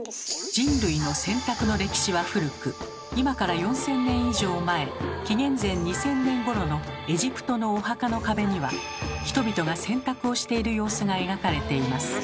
人類の洗濯の歴史は古く今から４，０００年以上前紀元前２０００年ごろのエジプトのお墓の壁には人々が洗濯をしている様子が描かれています。